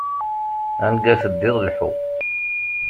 Anga teddiḍ, lḥu.